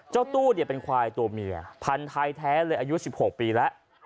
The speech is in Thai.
เจ้าตู้เนี่ยเป็นควายตัวเมียพันธุ์ไทยแท้เลยอายุ๑๖ปีแล้ว